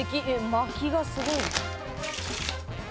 まきがすごい。